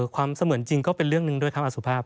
เสมือนจริงก็เป็นเรื่องหนึ่งด้วยครับอสุภาพ